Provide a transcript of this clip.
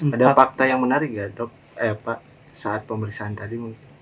ada fakta yang menarik ya pak saat pemeriksaan tadi